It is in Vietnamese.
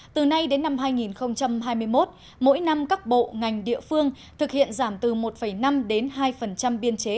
từ nay đến năm hai nghìn hai mươi một mỗi năm các bộ ngành địa phương thực hiện giảm từ một năm đến hai biên chế